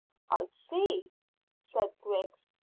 "I see," said Griggs.